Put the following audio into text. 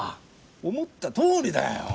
思ったとおりだよ。